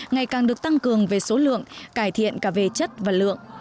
ngày càng được tăng cường về số lượng cải thiện cả về chất và lượng